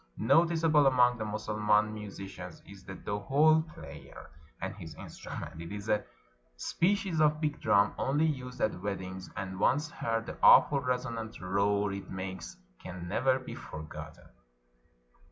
Noticeable among the Mussulman musi cians is the dohol player and his instrument. It is a species of big drum, only used at weddings; and, once heard, the awful resonant roar it makes can never be forgotten.